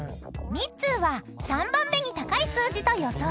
［ミッツーは３番目に高い数字と予想］